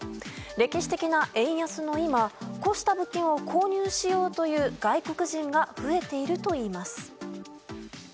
歴史的な円安の今こうした物件を購入しようという外国人が増えているといいます。